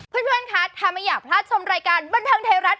เพื่อนคะถ้าไม่อยากพลาดชมรายการบันเทิงไทยรัฐ